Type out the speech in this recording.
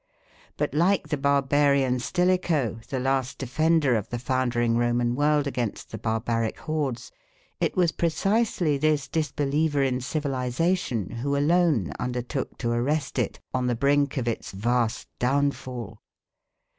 But, like the barbarian stilicho, the last defender of the foundering Roman world against the barbaric hordes, it was precisely this disbeliever in civilisation who alone undertook to arrest it on the brink of its vast downfall.